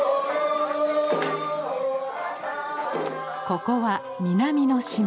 ここは南の島。